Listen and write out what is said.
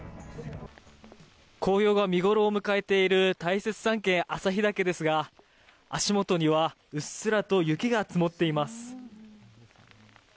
紅葉が見頃を迎えている大雪山系旭岳ですが、足元にはうっすらと雪が積もっています。